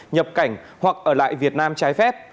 nhập cảnh hoặc ở lại việt nam trái phép